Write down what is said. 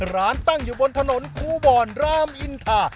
ร้านตั้งอยู่บนถนนครูบอนรามอินทา